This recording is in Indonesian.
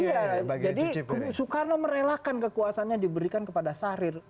iya jadi soekarno merelakan kekuasanya diberikan kepada sahrir